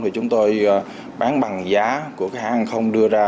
thì chúng tôi bán bằng giá của khách hàng không đưa ra